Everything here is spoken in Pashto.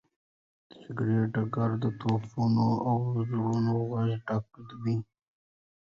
د جګړې ډګر د توپونو او ډزو غږ ډک و.